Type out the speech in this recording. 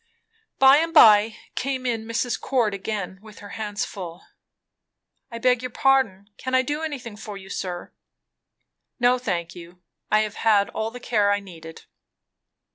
By and by came in Mrs. Cord, again with her hands full. "I beg your pardon can I do anything for you, sir?" "No, thank you. I have had all the care I needed."